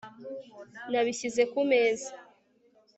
Nabishyize kumeza